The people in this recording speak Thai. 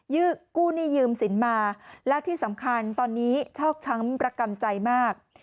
กู้หนี้ยืมสินมาและที่สำคัญตอนนี้ชอกช้ำประกันใจมาก